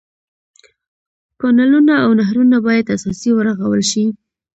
کانلونه او نهرونه باید اساسي ورغول شي.